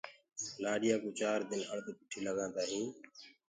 لآڏيآ ڪوُ چآر دن هݪد پِٺيٚ لگآندآ هينٚ۔